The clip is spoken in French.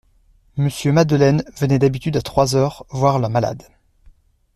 Monsieur Madeleine venait d'habitude à trois heures voir la malade.